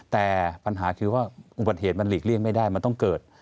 แต่ปัญหาคือว่าอุบัติเหตุมันหลีกเลี่ยงไม่ได้มันต้องเกิด